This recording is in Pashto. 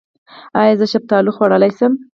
ایا زه شفتالو خوړلی شم؟